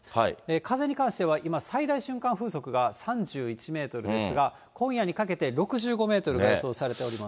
風に関しては、今、最大瞬間風速が３１メートルですが、今夜にかけて６５メートルが予想されております。